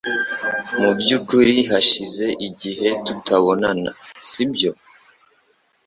Mu byukuri hashize igihe tutabonana, sibyo?